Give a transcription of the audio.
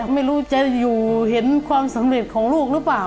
ไม่รู้จะอยู่เห็นความสำเร็จของลูกหรือเปล่า